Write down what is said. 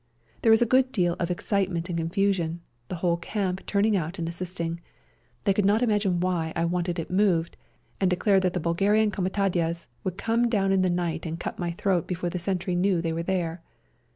There was a good deal of ex citement and confusion, the whole camp turning out and assisting. They could not imagine why I wanted it moved, and declared that the Bulgarian comitadjes would come down in the night and cut my throat before the sentry knew they were there.